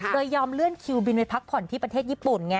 โดยยอมเลื่อนคิวบินไปพักผ่อนที่ประเทศญี่ปุ่นไง